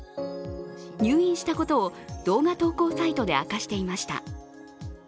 入院したことを動画投稿サイトで明かしていました。